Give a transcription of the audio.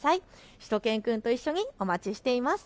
しゅと犬くんと一緒にお待ちしています。